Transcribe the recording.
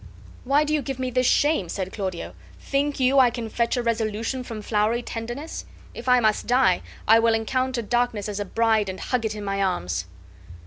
"Why do you give me this shame?" said Claudio. "Think you I can fetch a resolution from flowery tenderness? If I must die, I will encounter darkness as a bride and hug it in my arms."